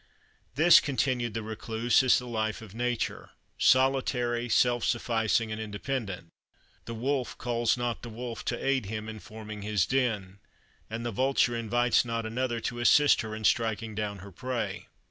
"This," continued the Recluse, "is the life of nature, solitary, self sufficing, and independent. The wolf calls not the wolf to aid him in forming his den; and the vulture invites not another to assist her in striking down her prey."